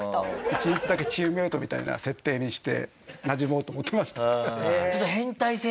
１日だけチームメートみたいな設定にしてなじもうと思ってました。